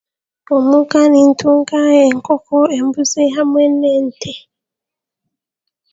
Omuka nintunga enkoko, embuzi hamwe n'ente.